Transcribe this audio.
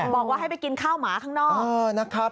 บอกว่าให้ไปกินข้าวหมาข้างนอก